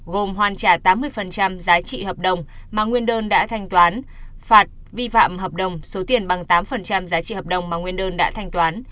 gồm hoàn trả tám mươi giá trị hợp đồng mà nguyên đơn đã thanh toán phạt vi phạm hợp đồng số tiền bằng tám giá trị hợp đồng mà nguyên đơn đã thanh toán